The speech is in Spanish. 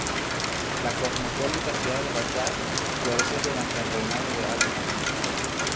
La cosmopolita ciudad de Bagdad floreció durante el reinado de Al-Mahdi.